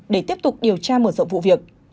để tiếp tục điều tra mở rộng vụ việc